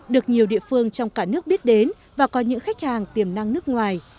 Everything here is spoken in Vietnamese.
được nhiều địa phương trong cả nước biết đến và có những khách hàng tiềm năng nước ngoài